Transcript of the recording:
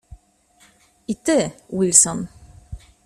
"I ty, Wilson."